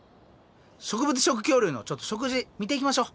植物食恐竜のちょっと食事見ていきましょう。